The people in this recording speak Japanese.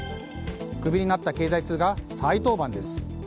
クビになった経済通が再登板です。